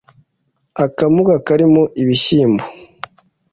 -Akamuga karimo ibishyimbo.